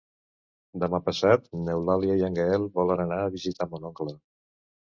Demà passat n'Eulàlia i en Gaël volen anar a visitar mon oncle.